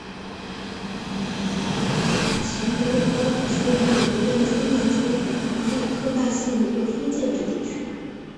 钱德勒高地是位于美国亚利桑那州马里科帕县的一个非建制地区。